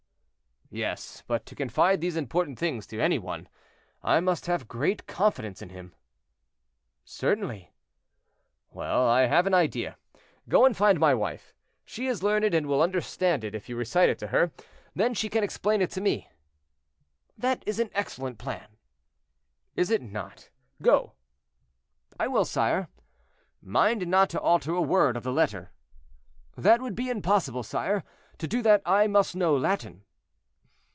"Yes, but to confide these important things to any one, I must have great confidence in him." "Certainly." "Well, I have an idea. Go and find my wife. She is learned, and will understand it if you recite it to her; then she can explain it to me." "That is an excellent plan." "Is it not? Go." "I will, sire." "Mind not to alter a word of the letter." "That would be impossible, sire. To do that I must know Latin."